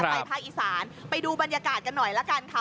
ภาคอีสานไปดูบรรยากาศกันหน่อยละกันค่ะ